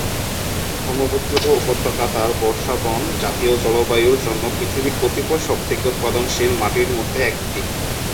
ব্রহ্মপুত্র উপত্যকা তার বর্ষাবন-জাতীয় জলবায়ুর জন্য পৃথিবীর কতিপয় সবথেকে উৎপাদনশীল মাটির মধ্যে একটি।